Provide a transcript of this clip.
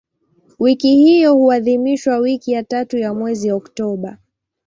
Wiki hiyo huadhimishwa wiki ya tatu ya mwezi Oktoba.